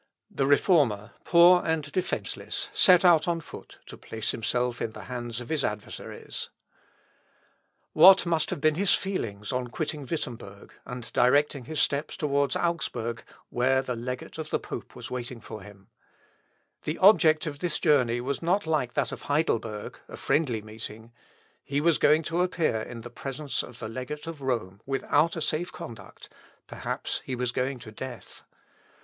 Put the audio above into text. The Reformer, poor and defenceless, set out on foot to place himself in the hands of his adversaries. "Veni igitur pedester et pauper Augustam." (Luth. Op. Lat, in Præf.) What must have been his feelings on quitting Wittemberg, and directing his steps towards Augsburg, where the legate of the pope was waiting for him! The object of this journey was not like that of Heidelberg, a friendly meeting. He was going to appear in presence of the legate of Rome without a safe conduct; perhaps he was going to death.